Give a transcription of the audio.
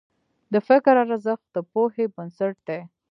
د فکر ارزښت د پوهې بنسټ دی.